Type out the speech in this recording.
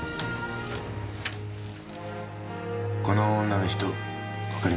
この女の人わかりますか？